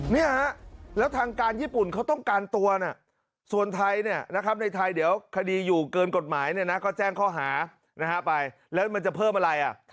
เนี่ยฮะแล้วทางการญี่ปุ่นเขาต้องการตัวนะส่วนไทยเนี่ยนะครับในไทยเดี๋ยวคดีอยู่เกินกฎหมายเนี่ยนะก็แจ้งข้อหาไปแล้วมันจะเพิ่มอะไร